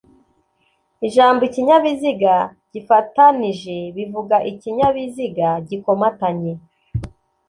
ijambo ikinyabiziga gifatanije bivuga ikinyabiziga gikomatanye